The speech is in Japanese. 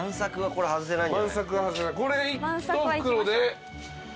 これ１袋で。